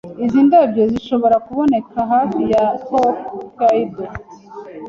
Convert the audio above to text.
Izi ndabyo zishobora kuboneka hafi ya Hokkaido.